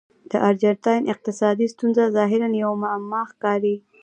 د ارجنټاین اقتصادي ستونزه ظاهراً یوه معما ښکاري.